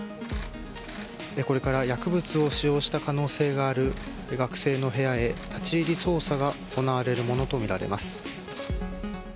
これから薬物を使用した可能性がある学生の部屋へ立ち入り捜査が行われるものとみられます。